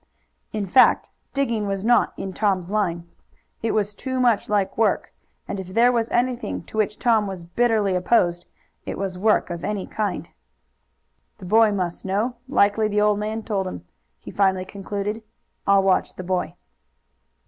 In fact, digging was not in Tom's line. It was too much like work, and if there was anything to which Tom was bitterly opposed it was work of any kind. "The boy must know. Likely the old man told him," he finally concluded. "I'll watch the boy."